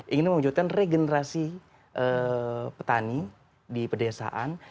ingin mewujudkan regenerasi petani di pedesaan